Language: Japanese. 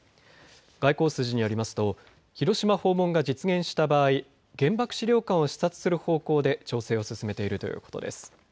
外交筋によりますと広島訪問が実現した場合原爆資料館を視察する方向で調整を進めているということです。